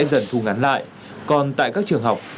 dần thu ngắn lại còn tại các trường học